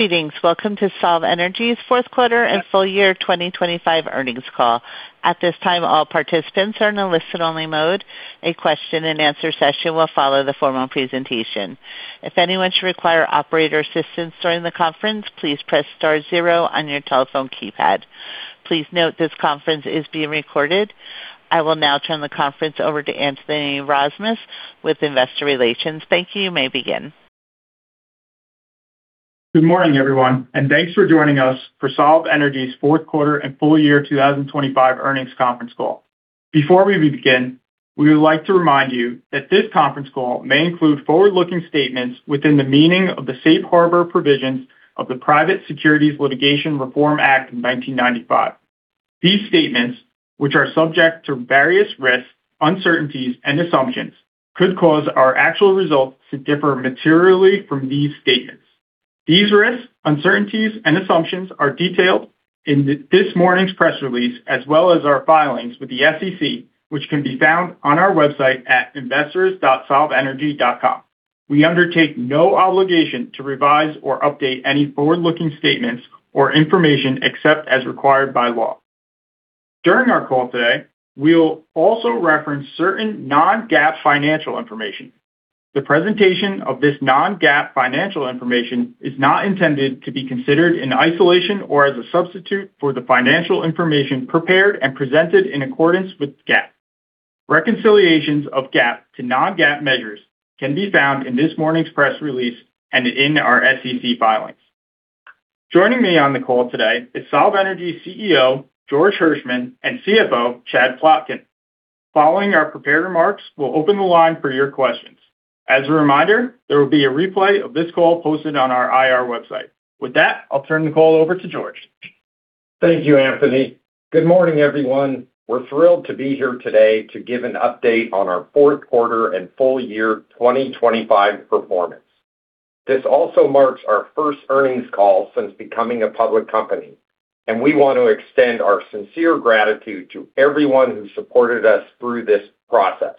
Greetings. Welcome to SOLV Energy's Q4 and full year 2025 earnings call. At this time, all participants are in a listen-only mode. A Q&A session will follow the formal presentation. If anyone should require operator assistance during the conference, please press star zero on your telephone keypad. Please note this conference is being recorded. I will now turn the conference over to Anthony Rozmus with Investor Relations. Thank you. You may begin. Good morning, everyone, and thanks for joining us for SOLV Energy's Q4 and full year 2025 earnings conference call. Before we begin, we would like to remind you that this conference call may include forward-looking statements within the meaning of the safe harbor provisions of the Private Securities Litigation Reform Act of 1995. These statements, which are subject to various risks, uncertainties, and assumptions, could cause our actual results to differ materially from these statements. These risks, uncertainties, and assumptions are detailed in this morning's press release, as well as our filings with the SEC, which can be found on our website at investors.solvenergy.com. We undertake no obligation to revise or update any forward-looking statements or information except as required by law. During our call today, we'll also reference certain non-GAAP financial information. The presentation of this non-GAAP financial information is not intended to be considered in isolation or as a substitute for the financial information prepared and presented in accordance with GAAP. Reconciliations of GAAP to non-GAAP measures can be found in this morning's press release and in our SEC filings. Joining me on the call today is SOLV Energy's CEO, George Hershman, and CFO, Chad Plotkin. Following our prepared remarks, we'll open the line for your questions. As a reminder, there will be a replay of this call posted on our IR website. With that, I'll turn the call over to George. Thank you, Anthony. Good morning, everyone. We're thrilled to be here today to give an update on our Q4 and full year 2025 performance. This also marks our first earnings call since becoming a public company, and we want to extend our sincere gratitude to everyone who supported us through this process.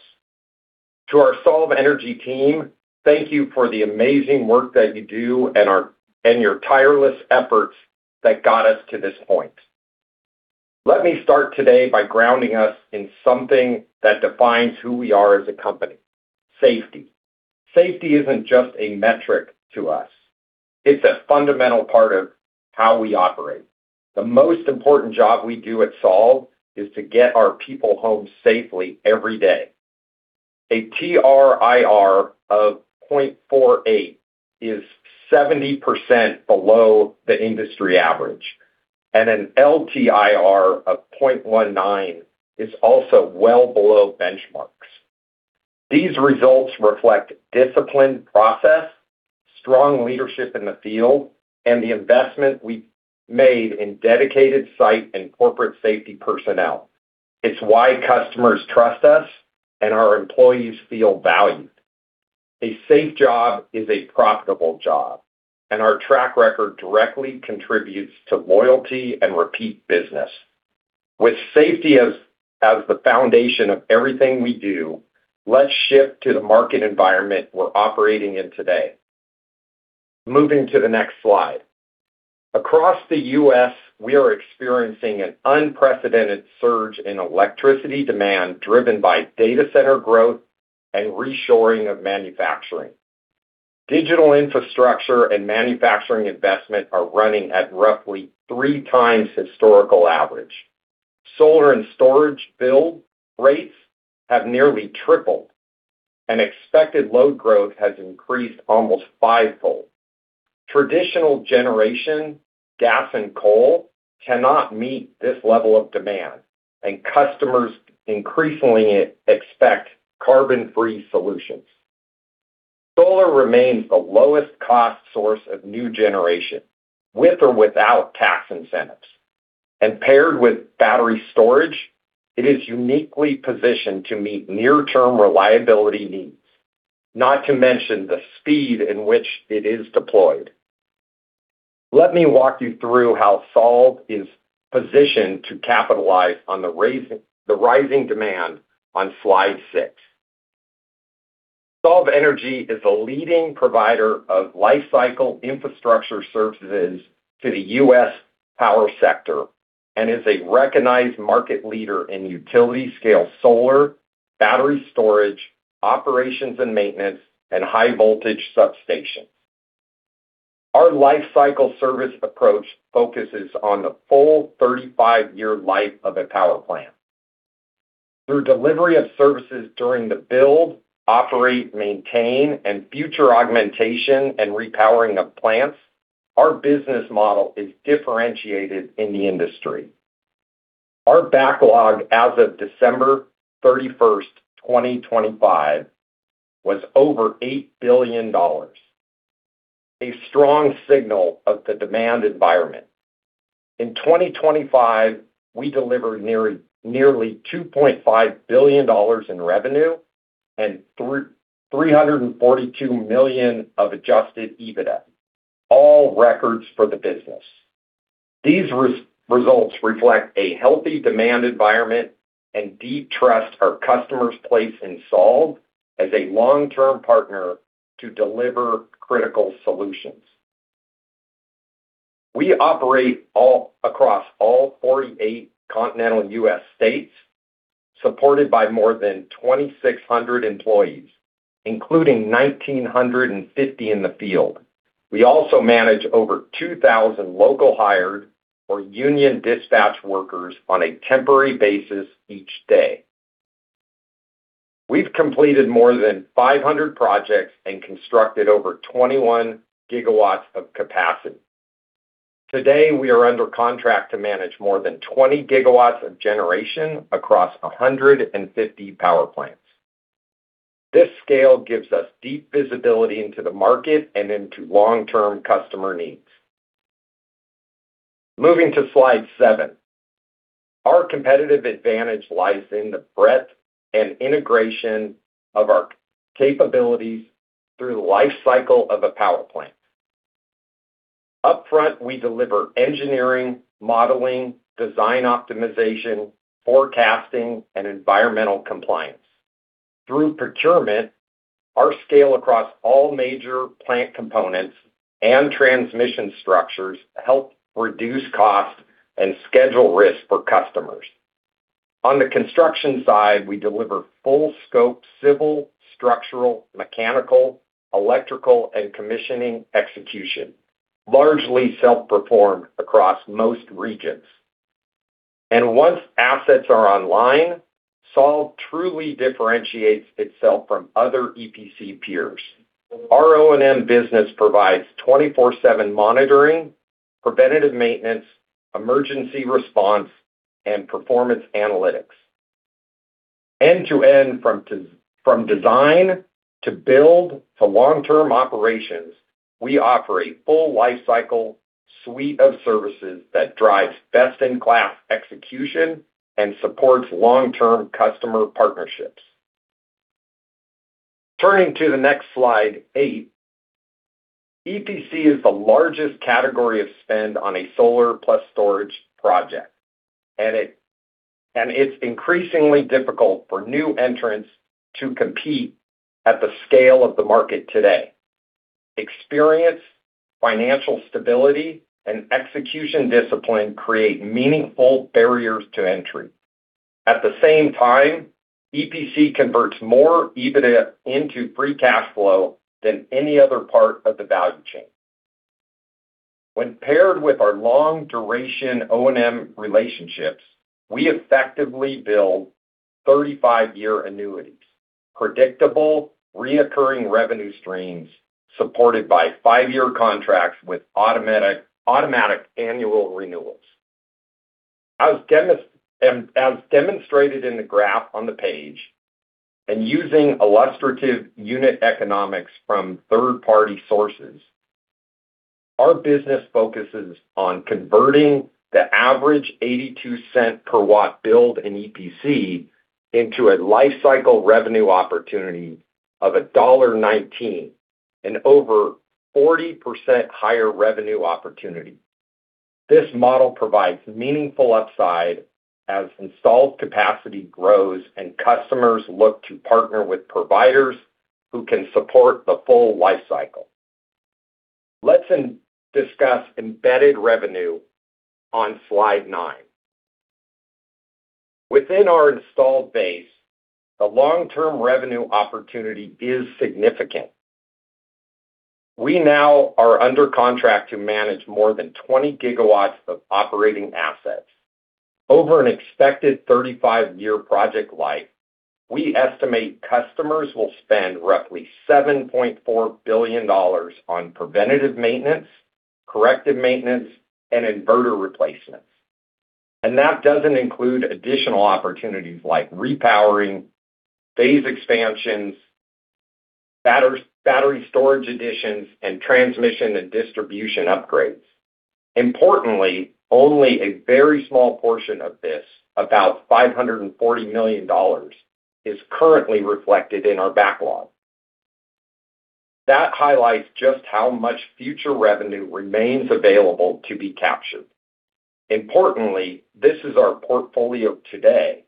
To our SOLV Energy team, thank you for the amazing work that you do and your tireless efforts that got us to this point. Let me start today by grounding us in something that defines who we are as a company, safety. Safety isn't just a metric to us. It's a fundamental part of how we operate. The most important job we do at SOLV is to get our people home safely every day. A TRIR of 0.48 is 70% below the industry average, and an LTIR of 0.19 is also well below benchmarks. These results reflect disciplined process, strong leadership in the field, and the investment we've made in dedicated site and corporate safety personnel. It's why customers trust us and our employees feel valued. A safe job is a profitable job, and our track record directly contributes to loyalty and repeat business. With safety as the foundation of everything we do, let's shift to the market environment we're operating in today. Moving to the next slide. Across the U.S., we are experiencing an unprecedented surge in electricity demand driven by data center growth and reshoring of manufacturing. Digital infrastructure and manufacturing investment are running at roughly 3x historical average. Solar and storage build rates have nearly tripled, and expected load growth has increased almost fivefold. Traditional generation, gas, and coal cannot meet this level of demand, and customers increasingly expect carbon-free solutions. Solar remains the lowest cost source of new generation with or without tax incentives. Paired with battery storage, it is uniquely positioned to meet near-term reliability needs, not to mention the speed in which it is deployed. Let me walk you through how SOLV Energy is positioned to capitalize on the rising demand on slide six. SOLV Energy is a leading provider of lifecycle infrastructure services to the U.S. power sector and is a recognized market leader in utility-scale solar, battery storage, operations and maintenance, and high-voltage substations. Our lifecycle service approach focuses on the full 35-year life of a power plant. Through delivery of services during the build, operate, maintain, and future augmentation and repowering of plants, our business model is differentiated in the industry. Our backlog as of December 31, 2025, was over $8 billion, a strong signal of the demand environment. In 2025, we delivered nearly $2.5 billion in revenue and $342 million of adjusted EBITDA, all records for the business. These results reflect a healthy demand environment and deep trust our customers place in SOLV as a long-term partner to deliver critical solutions. We operate across all 48 continental U.S. states, supported by more than 2,600 employees, including 1,950 in the field. We also manage over 2,000 local hired or union dispatch workers on a temporary basis each day. We've completed more than 500 projects and constructed over 21 GW of capacity. Today, we are under contract to manage more than 20 GW of generation across 150 power plants. This scale gives us deep visibility into the market and into long-term customer needs. Moving to slide 7. Our competitive advantage lies in the breadth and integration of our capabilities through the lifecycle of a power plant. Upfront, we deliver engineering, modeling, design optimization, forecasting, and environmental compliance. Through procurement, our scale across all major plant components and transmission structures help reduce costs and schedule risk for customers. On the construction side, we deliver full-scope civil, structural, mechanical, electrical, and commissioning execution, largely self-performed across most regions. Once assets are online, SOLV truly differentiates itself from other EPC peers. Our O&M business provides 24/7 monitoring, preventative maintenance, emergency response, and performance analytics. End-to-end, from design, to build, to long-term operations, we offer a full lifecycle suite of services that drives best-in-class execution and supports long-term customer partnerships. Turning to the next slide, 8. EPC is the largest category of spend on a solar plus storage project, and it's increasingly difficult for new entrants to compete at the scale of the market today. Experience, financial stability, and execution discipline create meaningful barriers to entry. At the same time, EPC converts more EBITDA into free cash flow than any other part of the value chain. When paired with our long-duration O&M relationships, we effectively build 35-year annuities, predictable, recurring revenue streams supported by 5-year contracts with automatic annual renewals. As demonstrated in the graph on the page, and using illustrative unit economics from third-party sources, our business focuses on converting the average $0.82 per watt build in EPC into a lifecycle revenue opportunity of $1.19, an over 40% higher revenue opportunity. This model provides meaningful upside as installed capacity grows and customers look to partner with providers who can support the full lifecycle. Let's discuss embedded revenue on slide 9. Within our installed base, the long-term revenue opportunity is significant. We now are under contract to manage more than 20 GW of operating assets. Over an expected 35-year project life, we estimate customers will spend roughly $7.4 billion on preventative maintenance, corrective maintenance, and inverter replacement. That doesn't include additional opportunities like repowering, phase expansions, battery storage additions, and transmission and distribution upgrades. Importantly, only a very small portion of this, about $540 million, is currently reflected in our backlog. That highlights just how much future revenue remains available to be captured. Importantly, this is our portfolio today.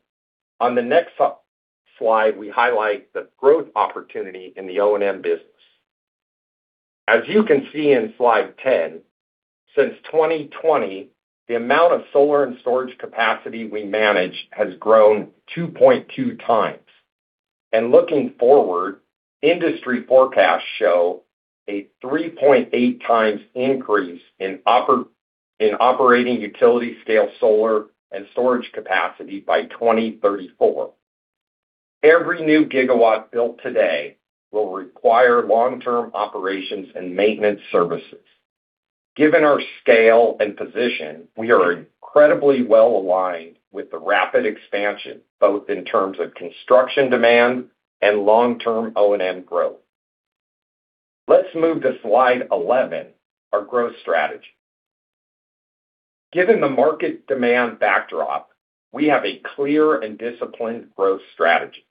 On the next slide, we highlight the growth opportunity in the O&M business. As you can see in slide 10, since 2020, the amount of solar and storage capacity we manage has grown 2.2x. Looking forward, industry forecasts show a 3.8x increase in operating utility-scale solar and storage capacity by 2034. Every new gigawatt built today will require long-term operations and maintenance services. Given our scale and position, we are incredibly well-aligned with the rapid expansion, both in terms of construction demand and long-term O&M growth. Let's move to slide 11, our growth strategy. Given the market demand backdrop, we have a clear and disciplined growth strategy.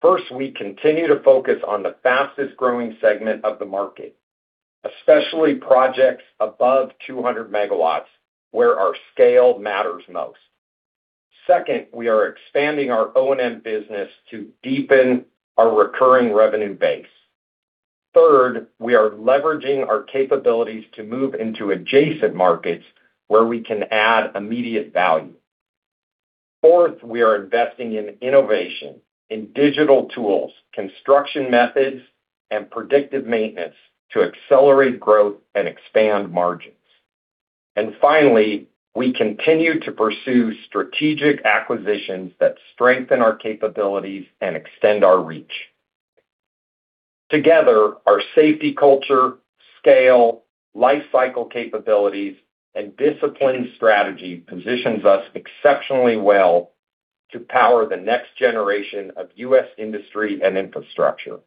First, we continue to focus on the fastest growing segment of the market, especially projects above 200 MW, where our scale matters most. Second, we are expanding our O&M business to deepen our recurring revenue base. Third, we are leveraging our capabilities to move into adjacent markets where we can add immediate value. Fourth, we are investing in innovation, in digital tools, construction methods, and predictive maintenance to accelerate growth and expand margins. Finally, we continue to pursue strategic acquisitions that strengthen our capabilities and extend our reach. Together, our safety culture, scale, life cycle capabilities, and disciplined strategy positions us exceptionally well to power the next generation of U.S. industry and infrastructure.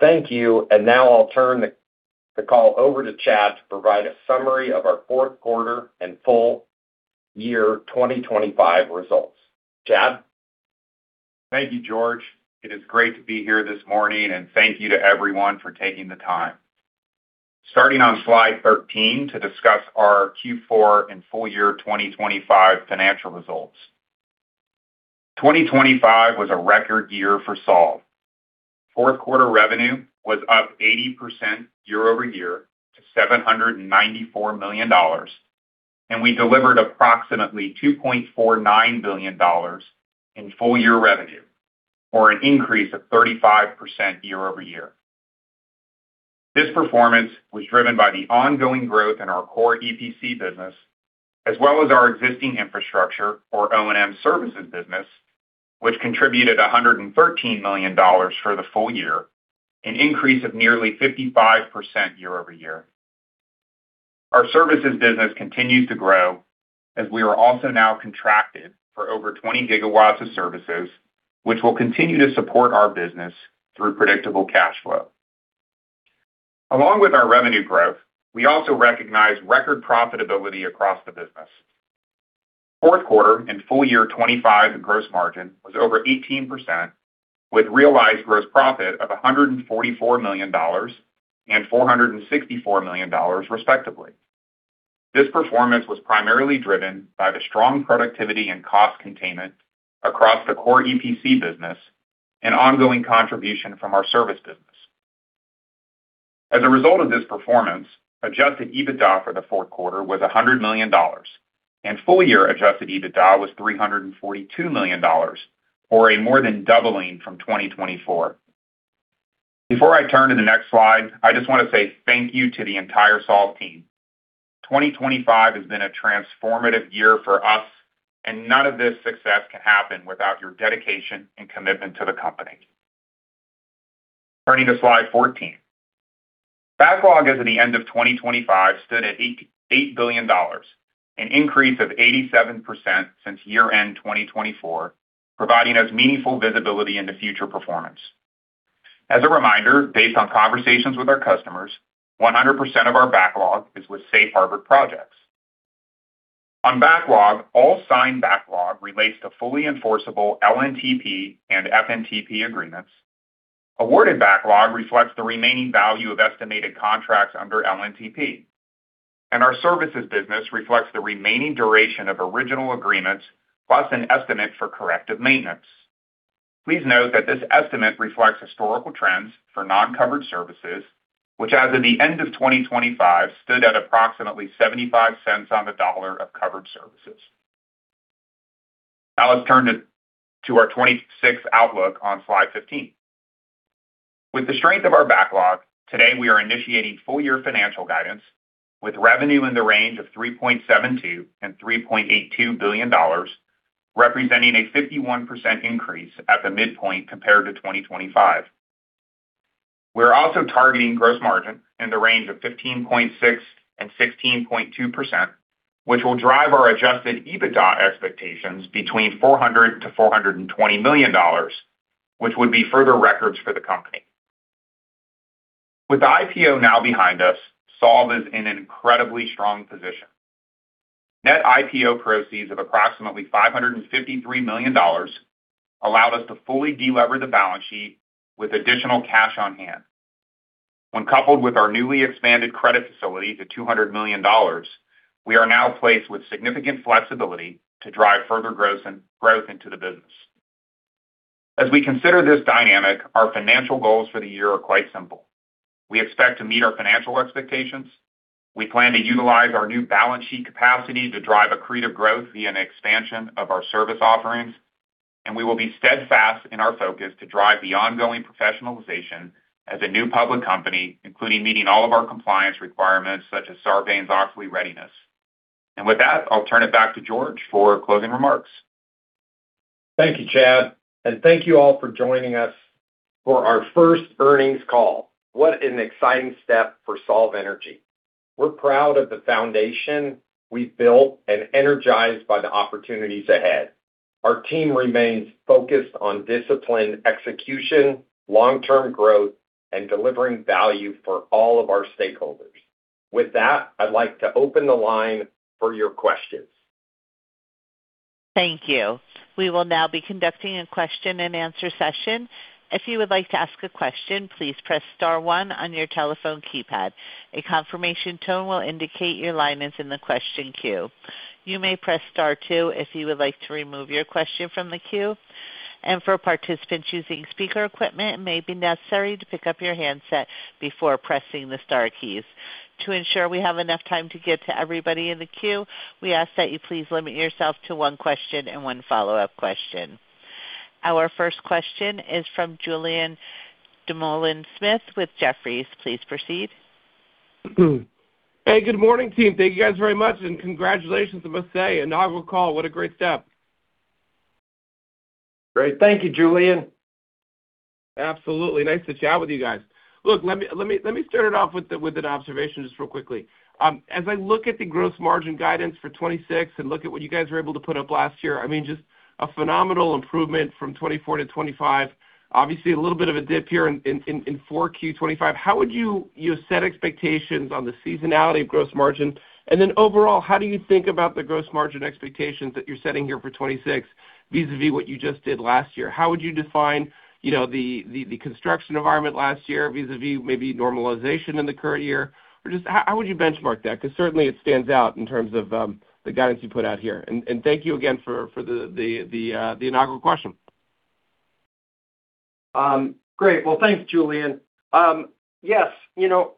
Thank you. Now I'll turn the call over to Chad to provide a summary of our Q4 and full year 2025 results. Chad? Thank you, George. It is great to be here this morning, and thank you to everyone for taking the time. Starting on slide 13 to discuss our Q4 and full year 2025 financial results. 2025 was a record year for SOLV. Q4 revenue was up 80% year-over-year to $794 million, and we delivered approximately $2.49 billion in full year revenue, or an increase of 35% year-over-year. This performance was driven by the ongoing growth in our core EPC business, as well as our existing infrastructure or O&M services business, which contributed $113 million for the full year, an increase of nearly 55% year-over-year. Our services business continues to grow as we are also now contracted for over 20 GW of services, which will continue to support our business through predictable cash flow. Along with our revenue growth, we also recognize record profitability across the business. Q4 and full year 2025 gross margin was over 18%, with realized gross profit of $144 million and $464 million, respectively. This performance was primarily driven by the strong productivity and cost containment across the core EPC business and ongoing contribution from our service business. As a result of this performance, adjusted EBITDA for the Q4 was $100 million, and full year adjusted EBITDA was $342 million, or a more than doubling from 2024. Before I turn to the next slide, I just wanna say thank you to the entire SOLV team. 2025 has been a transformative year for us, and none of this success can happen without your dedication and commitment to the company. Turning to slide 14. Backlog as of the end of 2025 stood at eight billion dollars, an increase of 87% since year-end 2024, providing us meaningful visibility into future performance. As a reminder, based on conversations with our customers, 100% of our backlog is with safe harbor projects. On backlog, all signed backlog relates to fully enforceable LNTP and FNTP agreements. Awarded backlog reflects the remaining value of estimated contracts under LNTP. Our services business reflects the remaining duration of original agreements, plus an estimate for corrective maintenance. Please note that this estimate reflects historical trends for non-covered services, which as of the end of 2025, stood at approximately 75 cents on the dollar of covered services. Now let's turn to our 2026 outlook on slide 15. With the strength of our backlog, today we are initiating full year financial guidance with revenue in the range of $3.72 billion-$3.82 billion, representing a 51% increase at the midpoint compared to 2025. We're also targeting gross margin in the range of 15.6%-16.2%, which will drive our adjusted EBITDA expectations between $400 million to $420 million, which would be further records for the company. With the IPO now behind us, SOLV is in an incredibly strong position. Net IPO proceeds of approximately $553 million allowed us to fully delever the balance sheet with additional cash on hand. When coupled with our newly expanded credit facility to $200 million, we are now placed with significant flexibility to drive further growth into the business. As we consider this dynamic, our financial goals for the year are quite simple. We expect to meet our financial expectations. We plan to utilize our new balance sheet capacity to drive accretive growth via an expansion of our service offerings. We will be steadfast in our focus to drive the ongoing professionalization as a new public company, including meeting all of our compliance requirements such as Sarbanes-Oxley readiness. With that, I'll turn it back to George for closing remarks. Thank you, Chad, and thank you all for joining us for our first earnings call. What an exciting step for SOLV Energy. We're proud of the foundation we've built and energized by the opportunities ahead. Our team remains focused on disciplined execution, long-term growth, and delivering value for all of our stakeholders. With that, I'd like to open the line for your questions. Thank you. We will now be conducting a Q&A session. If you would like to ask a question, please press star one on your telephone keypad. A confirmation tone will indicate your line is in the question queue. You may press star two if you would like to remove your question from the queue. For participants using speaker equipment, it may be necessary to pick up your handset before pressing the star keys. To ensure we have enough time to get to everybody in the queue, we ask that you please limit yourself to one question and one follow-up question. Our first question is from Julien Dumoulin-Smith with Jefferies. Please proceed. Hey, good morning, team. Thank you guys very much, and congratulations on let's say, inaugural call. What a great step. Great. Thank you, Julien. Absolutely. Nice to chat with you guys. Look, let me start it off with an observation just real quickly. As I look at the gross margin guidance for 2026 and look at what you guys were able to put up last year, I mean, just a phenomenal improvement from 2024 to 2025. Obviously, a little bit of a dip here in 4Q 2025. How would you set expectations on the seasonality of gross margin? And then overall, how do you think about the gross margin expectations that you're setting here for 2026 vis-à-vis what you just did last year? How would you define, you know, the construction environment last year vis-à-vis maybe normalization in the current year? Or just how would you benchmark that? Because certainly it stands out in terms of the guidance you put out here. Thank you again for the inaugural question. Great. Well, thanks, Julien. Yes, you know,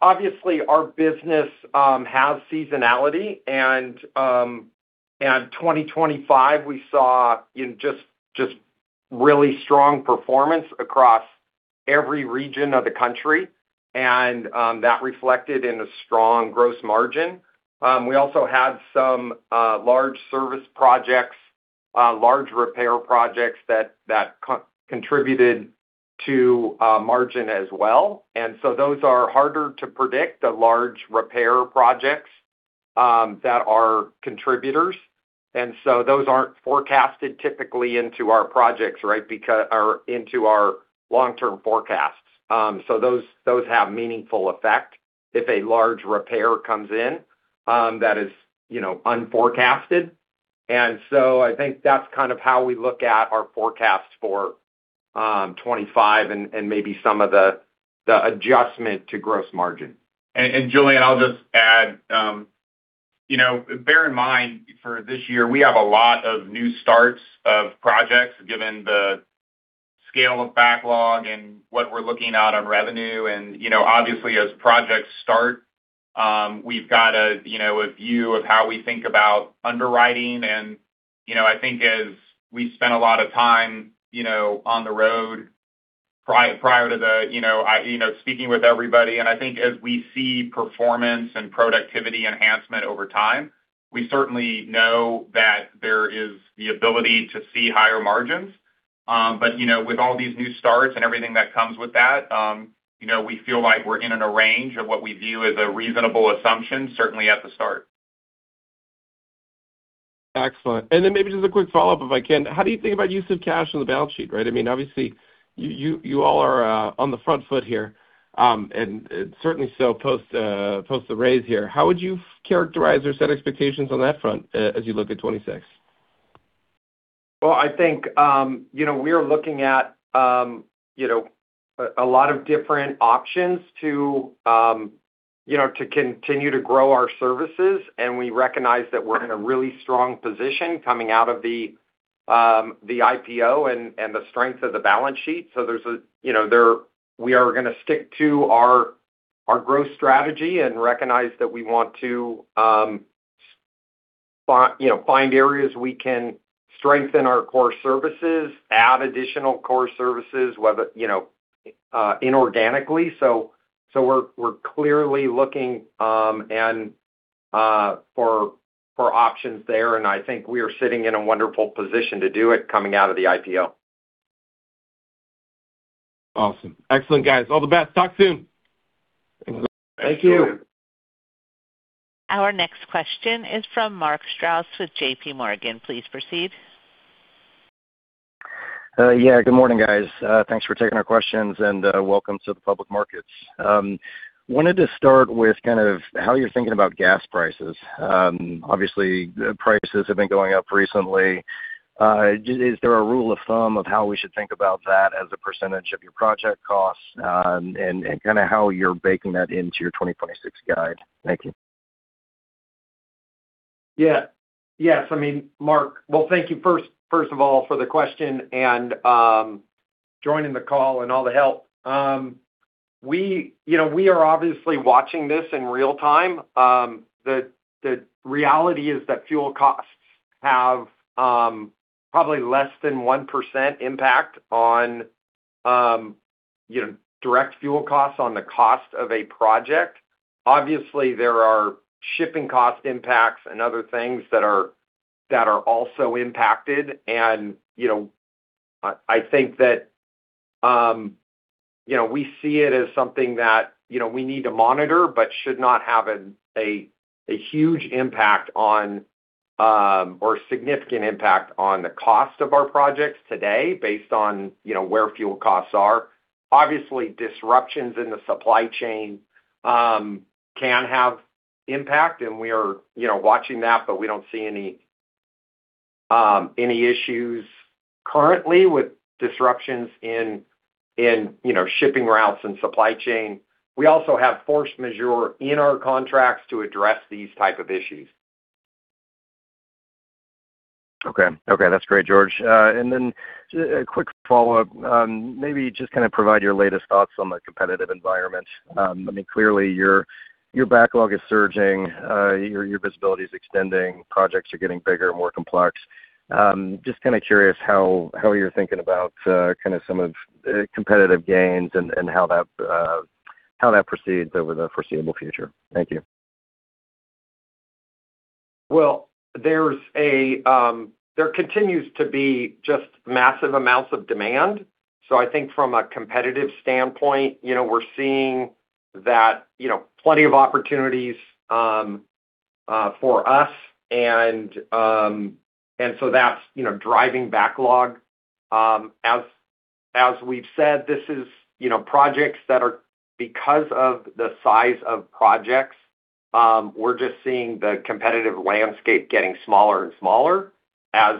obviously our business has seasonality and 2025, we saw, you know, just really strong performance across every region of the country, and that reflected in a strong gross margin. We also had some large service projects, large repair projects that contributed to margin as well. Those are harder to predict, the large repair projects that are contributors. Those aren't forecasted typically into our projects, right? Or into our long-term forecasts. Those have meaningful effect if a large repair comes in that is, you know, unforecasted. I think that's kind of how we look at our forecasts for 2025 and maybe some of the adjustment to gross margin. Julien, I'll just add, you know, bear in mind for this year, we have a lot of new starts of projects, given the scale of backlog and what we're looking at on revenue. You know, obviously, as projects start, we've got a view of how we think about underwriting. You know, I think as we spent a lot of time, you know, on the road prior to the, you know, speaking with everybody, and I think as we see performance and productivity enhancement over time, we certainly know that there is the ability to see higher margins. You know, with all these new starts and everything that comes with that, you know, we feel like we're in a range of what we view as a reasonable assumption, certainly at the start. Excellent. Then maybe just a quick follow-up, if I can. How do you think about use of cash on the balance sheet, right? I mean, obviously, you all are on the front foot here, and certainly so post the raise here. How would you characterize or set expectations on that front as you look at 2026? Well, I think, you know, we are looking at, you know, a lot of different options to, you know, to continue to grow our services, and we recognize that we're in a really strong position coming out of the IPO and the strength of the balance sheet. We are gonna stick to our growth strategy and recognize that we want to, you know, find areas we can strengthen our core services, add additional core services, whether, you know, inorganically. We're clearly looking for options there, and I think we are sitting in a wonderful position to do it coming out of the IPO. Awesome. Excellent, guys. All the best. Talk soon. Thank you. Our next question is from Mark Strouse with J.P. Morgan. Please proceed. Yeah, good morning, guys. Thanks for taking our questions and welcome to the public markets. Wanted to start with kind of how you're thinking about gas prices. Obviously, the prices have been going up recently. Is there a rule of thumb of how we should think about that as a percentage of your project costs, and kinda how you're baking that into your 2026 guide? Thank you. Yeah. Yes. I mean, Mark, well, thank you first of all for the question and joining the call and all the help. We, you know, are obviously watching this in real time. The reality is that fuel costs have probably less than 1% impact on, you know, direct fuel costs on the cost of a project. Obviously, there are shipping cost impacts and other things that are also impacted. I think that, you know, we see it as something that, you know, we need to monitor but should not have a huge impact on or significant impact on the cost of our projects today based on, you know, where fuel costs are. Obviously, disruptions in the supply chain can have impact, and we are, you know, watching that, but we don't see any issues currently with disruptions in, you know, shipping routes and supply chain. We also have force majeure in our contracts to address these type of issues. Okay. That's great, George. A quick follow-up, maybe just kind of provide your latest thoughts on the competitive environment. I mean, clearly your backlog is surging, your visibility is extending, projects are getting bigger and more complex. Just kind of curious how you're thinking about kind of some of competitive gains and how that proceeds over the foreseeable future. Thank you. Well, there continues to be just massive amounts of demand. I think from a competitive standpoint, you know, we're seeing that, you know, plenty of opportunities for us and so that's, you know, driving backlog. As we've said, this is, you know, projects that are because of the size of projects, we're just seeing the competitive landscape getting smaller and smaller as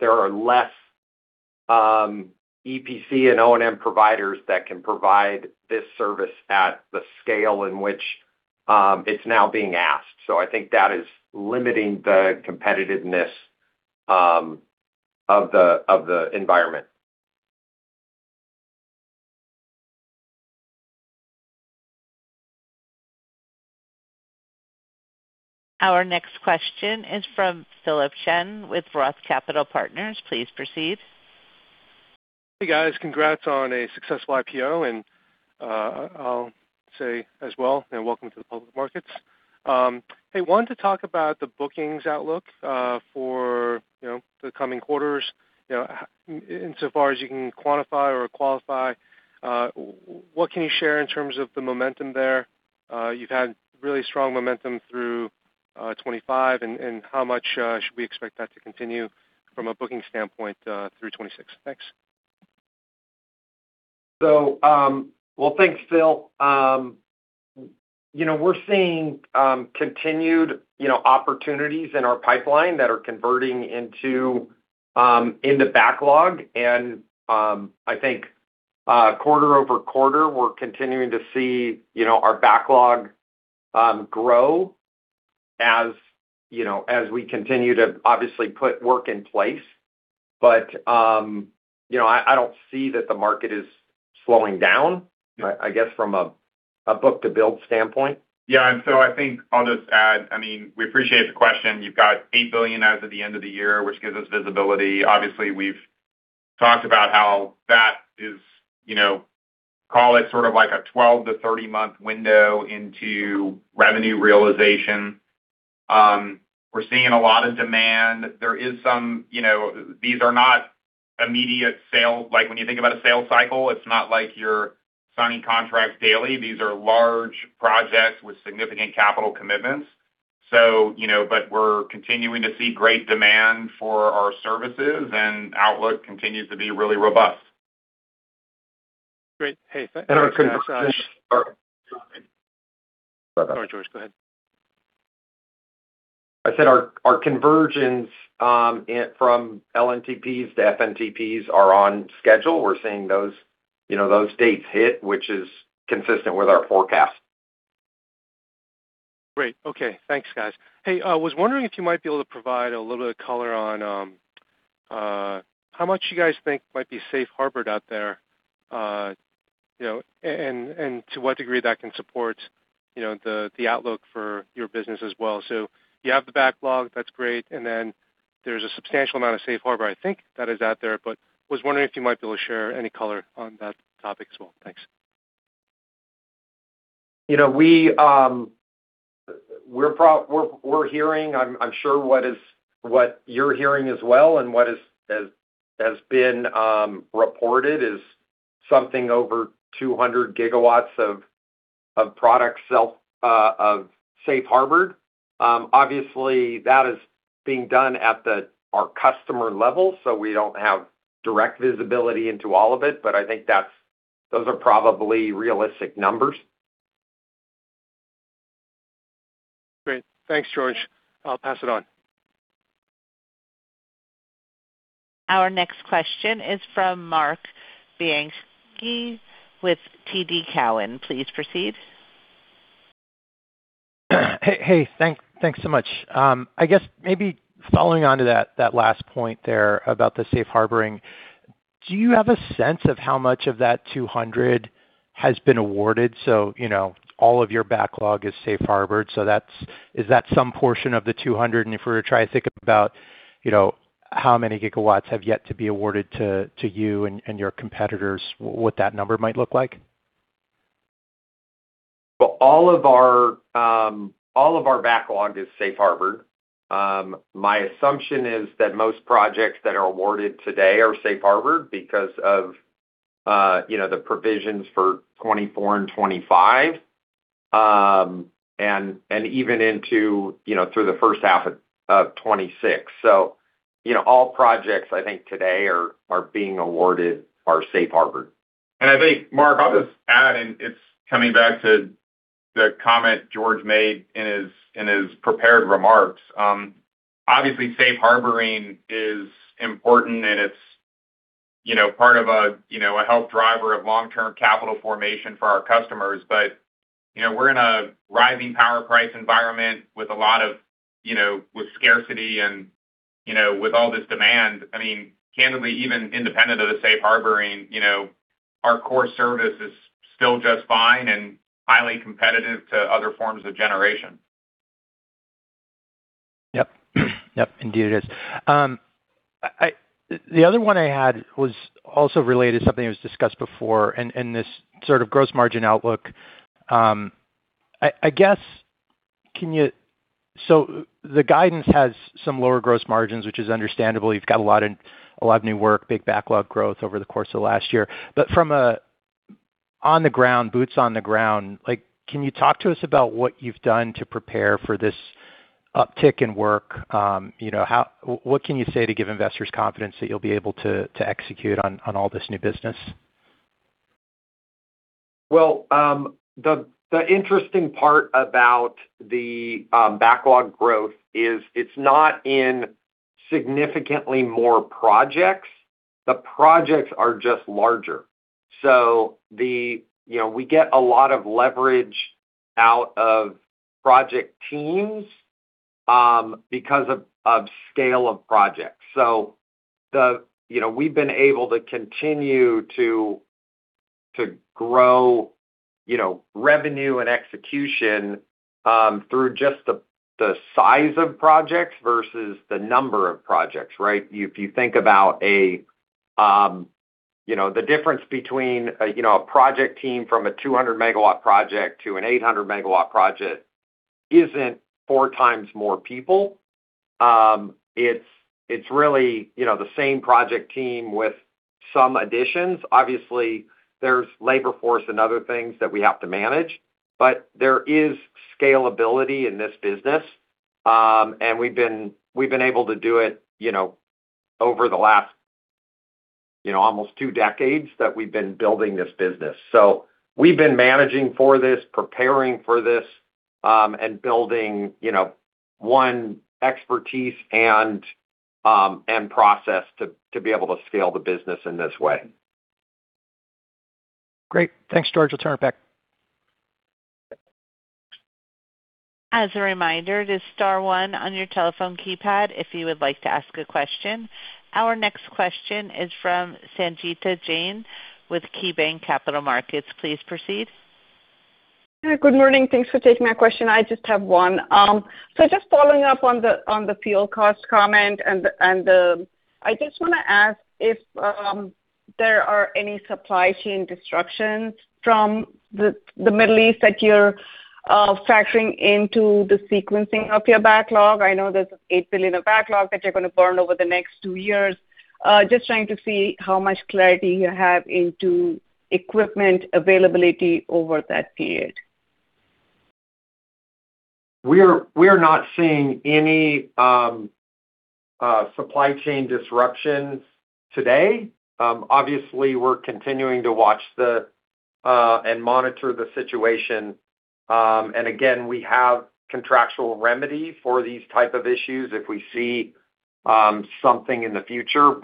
there are less EPC and O&M providers that can provide this service at the scale in which it's now being asked. I think that is limiting the competitiveness of the environment. Our next question is from Philip Shen with Roth Capital Partners. Please proceed. Hey, guys. Congrats on a successful IPO, and I'll say as well and welcome to the public markets. Hey, wanted to talk about the bookings outlook, for, you know, the coming quarters. You know, insofar as you can quantify or qualify, what can you share in terms of the momentum there? You've had really strong momentum through 2025, and how much should we expect that to continue from a booking standpoint, through 2026? Thanks. Well, thanks, Phil. You know, we're seeing continued opportunities in our pipeline that are converting into backlog and I think quarter-over-quarter, we're continuing to see our backlog grow as we continue to obviously put work in place. You know, I don't see that the market is slowing down, I guess, from a book-to-bill standpoint. Yeah. I think I'll just add, I mean, we appreciate the question. You've got $8 billion as of the end of the year, which gives us visibility. Obviously, we've talked about how that is, you know, call it sort of like a 12- to 30-month window into revenue realization. We're seeing a lot of demand. There is some, you know. These are not immediate sales. Like, when you think about a sales cycle, it's not like you're signing contracts daily. These are large projects with significant capital commitments. You know, but we're continuing to see great demand for our services, and outlook continues to be really robust. Great. Hey, Sorry, George, go ahead. I said our convergence from LNTPs to FNTPs are on schedule. We're seeing those, you know, those dates hit, which is consistent with our forecast. Great. Okay. Thanks, guys. Hey, I was wondering if you might be able to provide a little bit of color on how much you guys think might be safe harbored out there, you know, and to what degree that can support, you know, the outlook for your business as well. You have the backlog, that's great, and then there's a substantial amount of safe harbor, I think, that is out there. I was wondering if you might be able to share any color on that topic as well. Thanks. You know, we're hearing, I'm sure what you're hearing as well, and what has been reported is something over 200 GW of product sale of safe harbored. Obviously, that is being done at our customer level, so we don't have direct visibility into all of it, but I think those are probably realistic numbers. Great. Thanks, George. I'll pass it on. Our next question is from Marc Bianchi with TD Cowen. Please proceed. Hey, hey. Thanks so much. I guess maybe following on to that last point there about the safe harbor, do you have a sense of how much of that $200 has been awarded? You know, all of your backlog is safe harbored, is that some portion of the $200? If we were to try to think about, you know, how many GW have yet to be awarded to you and your competitors, what that number might look like. Well, all of our backlog is safe-harbored. My assumption is that most projects that are awarded today are safe-harbored because of, you know, the provisions for 2024 and 2025, and even into, you know, through the H1 of 2026. All projects I think today are being awarded are safe-harbored. I think, Mark, I'll just add, and it's coming back to the comment George made in his prepared remarks. Obviously, safe harbor is important, and it's, you know, part of a, you know, a health driver of long-term capital formation for our customers. We're in a rising power price environment with a lot of, you know, with scarcity and, you know, with all this demand. I mean, candidly, even independent of the safe harbor, you know, our core service is still just fine and highly competitive to other forms of generation. Yep. Yep, indeed it is. The other one I had was also related to something that was discussed before in this sort of gross margin outlook. I guess, can you The guidance has some lower gross margins, which is understandable. You've got a lot of new work, big backlog growth over the course of last year. From an on-the-ground, boots on the ground, like, can you talk to us about what you've done to prepare for this uptick in work? You know, what can you say to give investors confidence that you'll be able to execute on all this new business? Well, the interesting part about the backlog growth is it's not in significantly more projects. The projects are just larger. You know, we get a lot of leverage out of project teams because of scale of projects. You know, we've been able to continue to grow, you know, revenue and execution through just the size of projects versus the number of projects, right? If you think about, you know, the difference between, you know, a project team from a 200-MW project to an 800-MW project isn't 4x more people. It's really, you know, the same project team with some additions. Obviously, there's labor force and other things that we have to manage, but there is scalability in this business. We've been able to do it, you know, over the last, you know, almost 2 decades that we've been building this business. We've been managing for this, preparing for this, and building, you know, expertise and process to be able to scale the business in this way. Great. Thanks, George. I'll turn it back. As a reminder, it is star one on your telephone keypad if you would like to ask a question. Our next question is from Sangita Jain with KeyBanc Capital Markets. Please proceed. Good morning. Thanks for taking my question. I just have one. Just following up on the fuel cost comment, I just wanna ask if there are any supply chain disruptions from the Middle East that you're factoring into the sequencing of your backlog. I know there's $8 billion of backlog that you're gonna burn over the next 2 years. Just trying to see how much clarity you have into equipment availability over that period. We're not seeing any supply chain disruptions today. Obviously we're continuing to watch and monitor the situation. Again, we have contractual remedy for these type of issues if we see something in the future.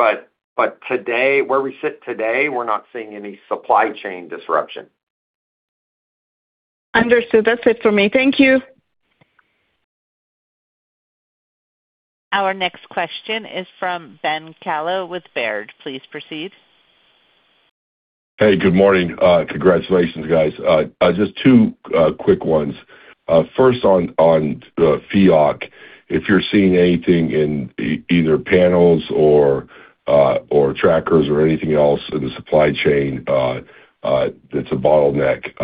Today, where we sit today, we're not seeing any supply chain disruption. Understood. That's it for me. Thank you. Our next question is from Ben Kallo with Baird. Please proceed. Hey, good morning. Congratulations, guys. Just two quick ones. First on FIOC, if you're seeing anything in either panels or trackers or anything else in the supply chain, that's a bottleneck.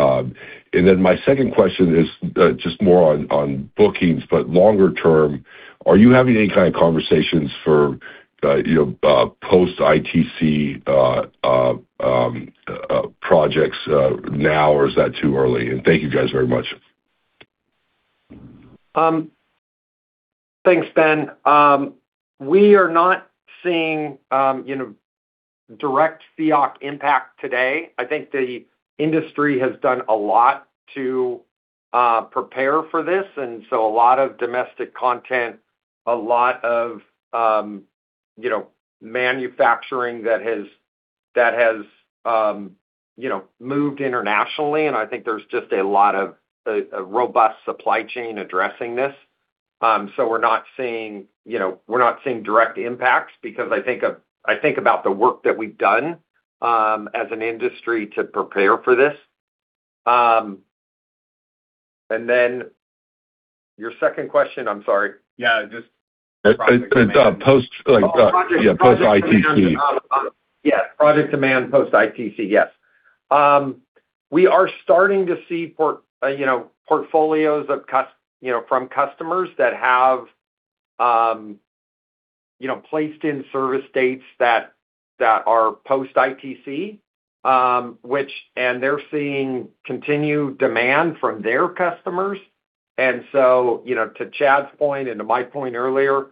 My second question is just more on bookings, but longer term, are you having any kind of conversations for, you know, post ITC projects, now or is that too early? Thank you guys very much. Thanks, Ben. We are not seeing, you know, direct AD/CVD impact today. I think the industry has done a lot to prepare for this, and so a lot of domestic content, a lot of, you know, manufacturing that has moved internationally, and I think there's just a lot of a robust supply chain addressing this. We're not seeing, you know, we're not seeing direct impacts because I think about the work that we've done, as an industry to prepare for this. Your second question, I'm sorry. Yeah. It's post, like, yeah, post ITC. Yes. Project demand post ITC, yes. We are starting to see portfolios of customers that have you know, placed in service dates that are post ITC. They're seeing continued demand from their customers. You know, to Chad's point and to my point earlier,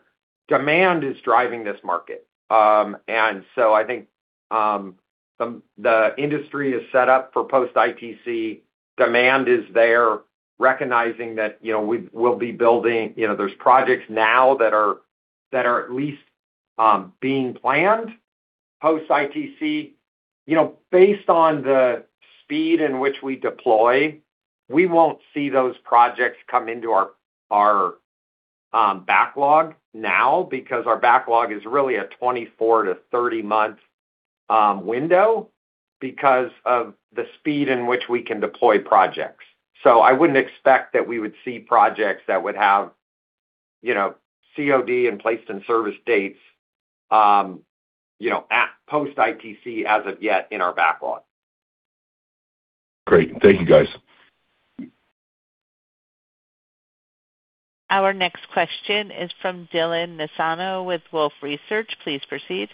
demand is driving this market. I think the industry is set up for post ITC. Demand is there, recognizing that you know, we'll be building. You know, there's projects now that are at least being planned post ITC. You know, based on the speed in which we deploy, we won't see those projects come into our backlog now because our backlog is really a 24- to 30-month window because of the speed in which we can deploy projects. I wouldn't expect that we would see projects that would have, you know, COD and placed in service dates, you know, at post ITC as of yet in our backlog. Great. Thank you, guys. Our next question is from Dylan Nassano with Wolfe Research. Please proceed.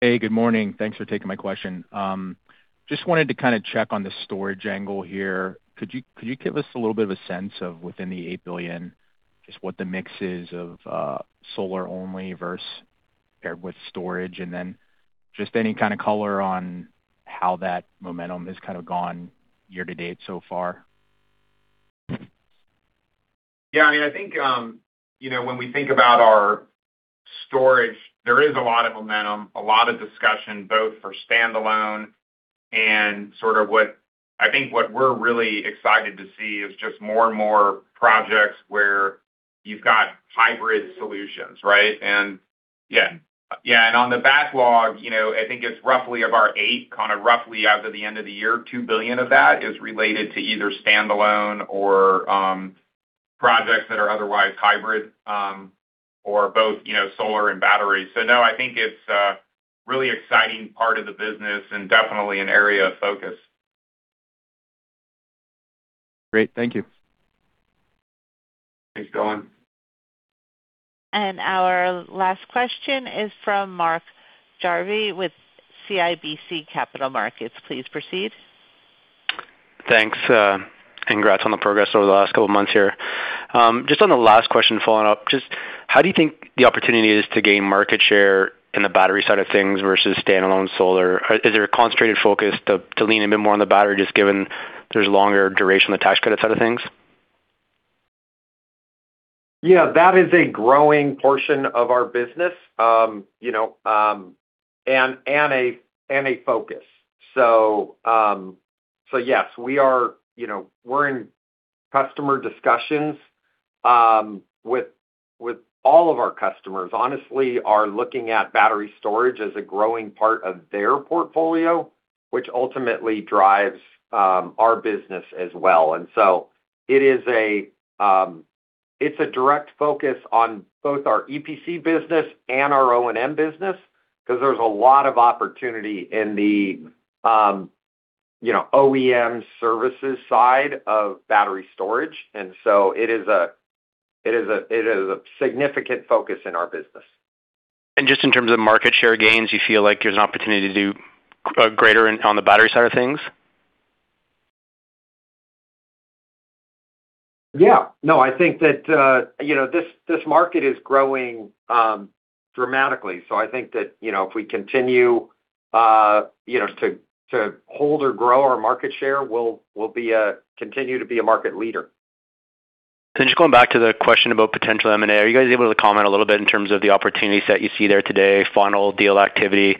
Hey, good morning. Thanks for taking my question. Just wanted to kind of check on the storage angle here. Could you give us a little bit of a sense of within the $8 billion, just what the mix is of solar only versus paired with storage? Then just any kind of color on how that momentum has kind of gone year to date so far. Yeah. I mean, I think, you know, when we think about our storage, there is a lot of momentum, a lot of discussion, both for standalone and sort of, I think what we're really excited to see is just more and more projects where you've got hybrid solutions, right? Yeah. Yeah, on the backlog, you know, I think it's roughly $8 billion, kind of roughly as of the end of the year, $2 billion of that is related to either standalone or projects that are otherwise hybrid, or both, you know, solar and battery. No, I think it's a really exciting part of the business and definitely an area of focus. Great. Thank you. Thanks, Dylan. Our last question is from Mark Jarvi with CIBC Capital Markets. Please proceed. Thanks. Congrats on the progress over the last couple of months here. Just on the last question, following up, just how do you think the opportunity is to gain market share in the battery side of things versus standalone solar? Is there a concentrated focus to lean a bit more on the battery just given there's longer duration attached credit side of things? Yeah, that is a growing portion of our business, you know, and a focus. Yes, you know, we're in customer discussions with all of our customers, honestly, are looking at battery storage as a growing part of their portfolio, which ultimately drives our business as well. It's a direct focus on both our EPC business and our O&M business because there's a lot of opportunity in the, you know, OEM services side of battery storage. It is a significant focus in our business. Just in terms of market share gains, you feel like there's an opportunity to do greater on the battery side of things? Yeah. No, I think that, you know, this market is growing dramatically. I think that, you know, if we continue to hold or grow our market share, we'll continue to be a market leader. Just going back to the question about potential M&A, are you guys able to comment a little bit in terms of the opportunities that you see there today, final deal activity?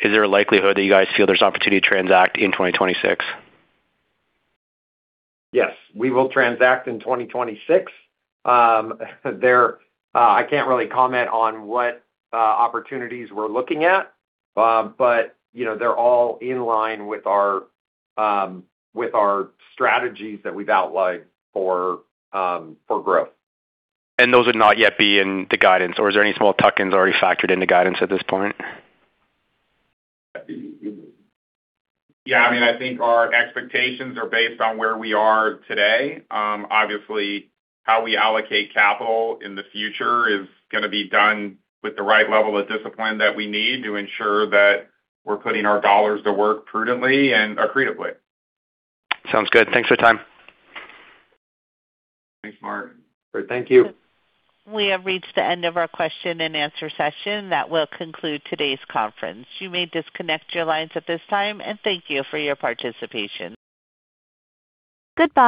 Is there a likelihood that you guys feel there's opportunity to transact in 2026? Yes, we will transact in 2026. I can't really comment on what opportunities we're looking at, but, you know, they're all in line with our strategies that we've outlined for growth. Those would not yet be in the guidance or is there any small tuck-ins already factored in the guidance at this point? Yeah. I mean, I think our expectations are based on where we are today. Obviously, how we allocate capital in the future is gonna be done with the right level of discipline that we need to ensure that we're putting our dollars to work prudently and accretively. Sounds good. Thanks for your time. Thanks, Mark. Great. Thank you. We have reached the end of our Q&A session. That will conclude today's conference. You may disconnect your lines at this time, and thank you for your participation. Goodbye.